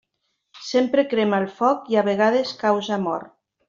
Sempre crema el foc i a vegades causa mort.